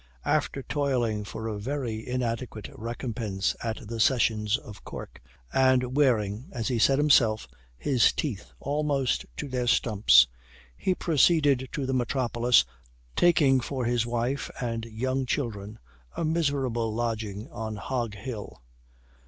After toiling for a very inadequate recompense at the Sessions of Cork, and wearing, as he said himself, his teeth almost to their stumps, he proceeded to the metropolis, taking for his wife and young children a miserable lodging on Hog hill.